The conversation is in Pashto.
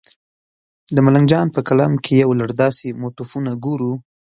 د ملنګ جان په کلام کې یو لړ داسې موتیفونه ګورو.